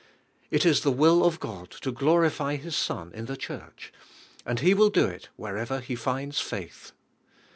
It is the will of God to glorify His Son in the Church; and He will do it wherever He finds fai th.